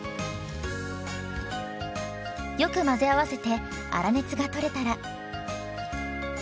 よく混ぜ合わせて粗熱がとれたら。